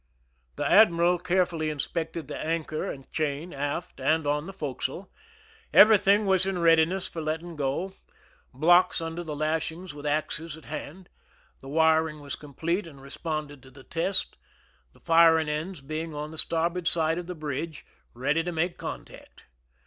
The admiral carefully inspected the anchor and 57 THE SINKING OF THE "MEREIMAC" chain aft and on the forecastle. Everything was in readiness for letting go— blocks under the lash ings, with axes at hand. The wiring was complete, and responded to the test, the firing ends being on the starboard side of the bridge, ready to make contact.